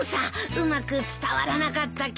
うまく伝わらなかったけど。